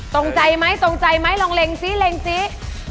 ตรงใจไหมตรงใจไหมลองเล็งซิเล็งซิ